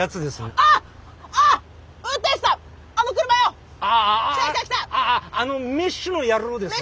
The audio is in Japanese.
あああのメッシュの野郎ですね。